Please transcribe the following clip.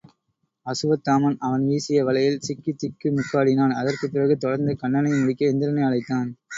அசுவத்தாமன் அவன் வீசிய வலையில் சிக்கித் திக்கு முக்காடினான் அதற்குப் பிறகு தொடர்ந்து கன்னனை முடிக்க இந்திரனை அழைத்தான்.